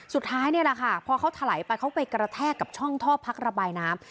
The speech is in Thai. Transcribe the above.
สุดท้ายพอเค้าถลายไปเค้าไปกระแทกกับช่องท่อพักระบายน้ำ